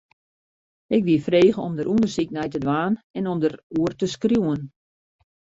Ik wie frege om dêr ûndersyk nei te dwaan en om dêroer te skriuwen.